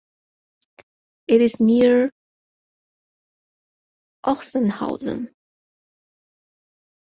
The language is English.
It is near Ochsenhausen.